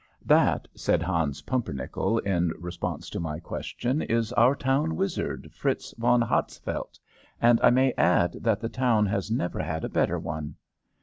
"That," said Hans Pumpernickel, in response to my question, "is our town wizard, Fritz von Hatzfeldt, and I may add that the town has never had a better one.